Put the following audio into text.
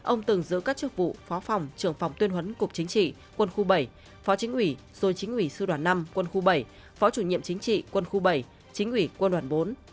ông từng giữ các chức vụ phó phòng trưởng phòng tuyên huấn cục chính trị quân khu bảy phó chính ủy rồi chính ủy sư đoàn năm quân khu bảy phó chủ nhiệm chính trị quân khu bảy chính ủy quân đoàn bốn